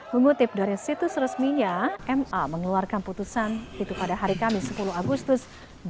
mengutip dari situs resminya ma mengeluarkan putusan itu pada hari kamis sepuluh agustus dua ribu dua puluh